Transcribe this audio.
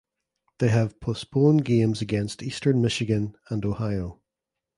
They have postponed games against Eastern Michigan and Ohio.